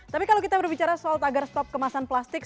tapi kalau kita berbicara soal tagar stop kemasan plastik